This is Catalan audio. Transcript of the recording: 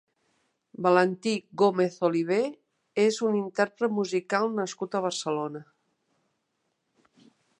Valentí Gómez-Oliver és un intérpret musical nascut a Barcelona.